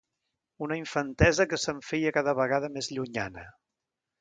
Una infantesa que se’m feia cada vegada més llunyana.